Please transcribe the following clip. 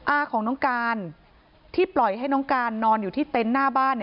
อาของน้องการที่ปล่อยให้น้องการนอนอยู่ที่เต็นต์หน้าบ้าน